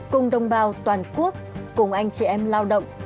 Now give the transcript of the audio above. cùng đồng bào toàn quốc cùng anh chị em lao động